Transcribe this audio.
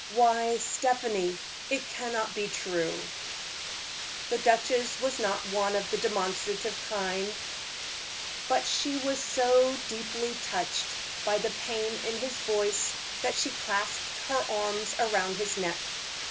Why, Stephanie, it cannot be true." The duchess was not one of the demonstrative kind, but she was so deeply touched by the pain in his voice, that she clasped her arms round his neck.